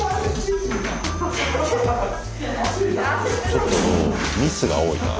ちょっとミスが多いな。